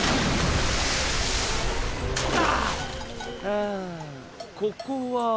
あここは？